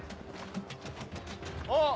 あっ。